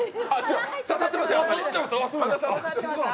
刺さってますよ！